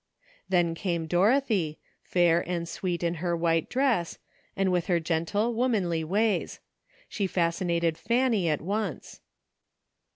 Then came Dorothy, fair and sweet in her white dress, and with her gentle, womanly ways. She fascinated Fanny at once.